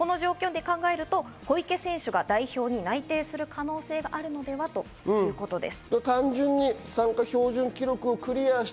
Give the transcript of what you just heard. すると、小池選手が代表に内定する可能性が高いのではということです。